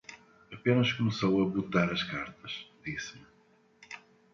Apenas começou a botar as cartas, disse-me: